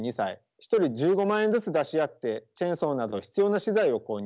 １人１５万円ずつ出し合ってチェーンソーなど必要な資材を購入。